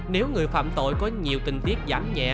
nếu người phạm tội có nhiều tình tiết giảm nhẹ